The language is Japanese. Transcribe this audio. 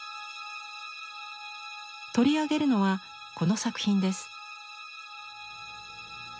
取り上げるのはこの作品です。